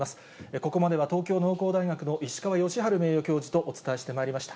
ここまでは東京農工大学の石川芳治名誉教授とお伝えしてまいりました。